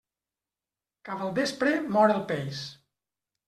Cap al vespre mor el peix.